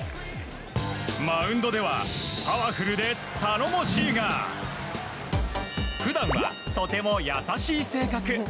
マウンドではパワフルで頼もしいが普段は、とても優しい性格。